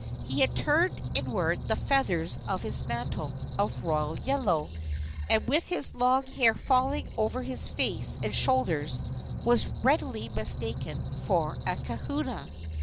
He had turned inward the feathers of his mantle of royal yellow, and, with his long hair falling over his face and shoulders, was readily mistaken for a kahuna.